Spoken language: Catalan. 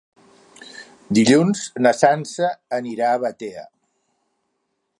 Dilluns na Sança anirà a Batea.